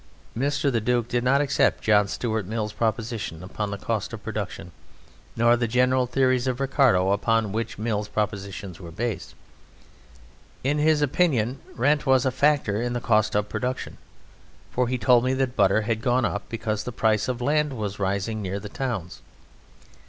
'" Mr. The Duke did not accept John Stuart Mill's proposition upon the cost of production nor the general theories of Ricardo upon which Mill's propositions were based. In his opinion rent was a factor in the cost of production, for he told me that butter had gone up because the price of land was rising near the towns.